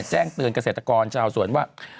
แจ้งเตือนเกษตรกรชาวสวนว่า